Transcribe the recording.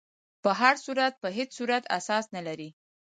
په هر صورت په هیڅ صورت اساس نه لري.